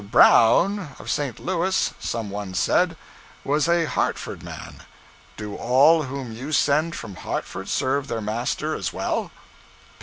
Brown' of St. Louis, some one said, was a Hartford man. Do all whom you send from Hartford serve their Master as well?